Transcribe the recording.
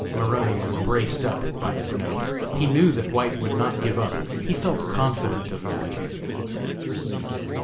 Maroney was braced up by this note. He knew that White would not give up; he felt confident of that!